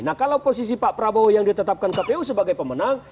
nah kalau posisi pak prabowo yang ditetapkan kpu sebagai pemenang